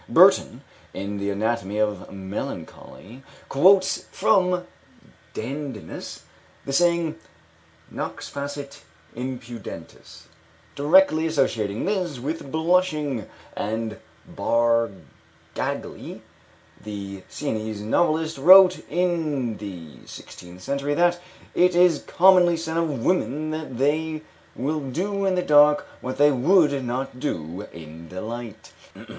Burton, in the Anatomy of Melancholy, quotes from Dandinus the saying "Nox facit impudentes," directly associating this with blushing, and Bargagli, the Siennese novelist, wrote in the sixteenth century that, "it is commonly said of women, that they will do in the dark what they would not do in the light."